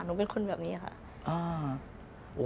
หนูเป็นคนแบบนี้ค่ะ